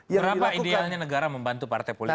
berapa idealnya negara membantu partai politik